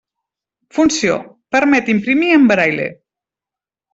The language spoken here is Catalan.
Funció: permet imprimir en braille.